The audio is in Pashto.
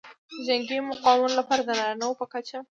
د جنګي مقامونو لپاره د نارینه وو په کچه